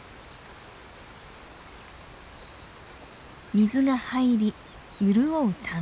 水が入り潤う田んぼ。